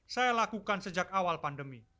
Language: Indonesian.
saya lakukan sejak awal pandemi